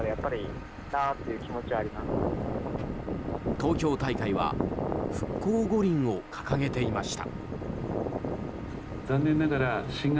東京大会は復興五輪を掲げていました。